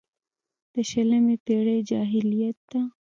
د شلمې پېړۍ جاهلیت ده.